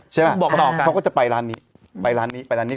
ใช่ไหมเขาก็จะไปร้านนี้ไปร้านนี้ไปร้านนี้